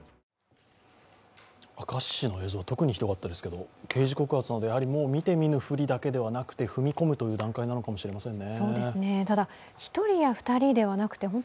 明石市の映像は特にひどかったですけれども、刑事告発など、もう見てみぬふりだけではなくて踏み込むという段階なのかもしれませんね。